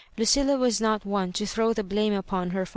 Lucilla was not one to throw the blame upon her.